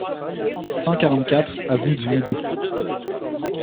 cent quarante-quatre avenue du Midou